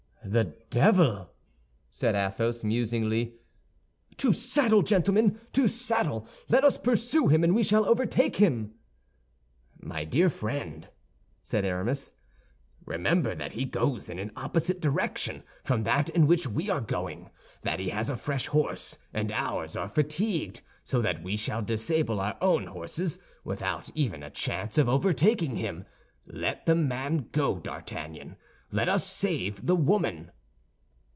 "The devil!" said Athos, musingly. "To saddle, gentlemen! to saddle! Let us pursue him, and we shall overtake him!" "My dear friend," said Aramis, "remember that he goes in an opposite direction from that in which we are going, that he has a fresh horse, and ours are fatigued, so that we shall disable our own horses without even a chance of overtaking him. Let the man go, D'Artagnan; let us save the woman."